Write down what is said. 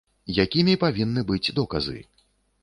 Якімі павінны быць доказы?